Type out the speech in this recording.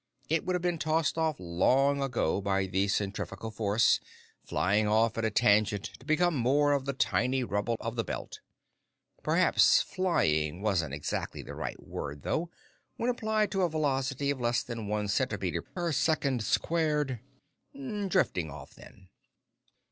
It would have been tossed off long ago by the centrifugal force, flying off on a tangent to become more of the tiny rubble of the belt. Perhaps "flying" wasn't exactly the right word, though, when applied to a velocity of less than one centimeter per second. Drifting off, then.